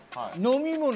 飲み物？